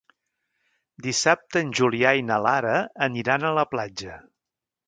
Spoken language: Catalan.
Dissabte en Julià i na Lara aniran a la platja.